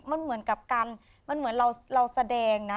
มันเหมือนกับการเราแสดงนะ